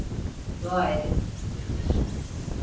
Dua edin.